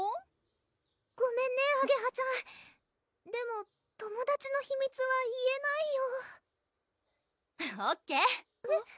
ごめんねあげはちゃんでも友達の秘密は言えないよＯＫえっ？